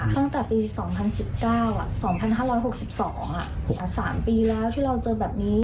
ตั้งแต่ปี๒๐๑๙๒๕๖๒๓ปีแล้วที่เราเจอแบบนี้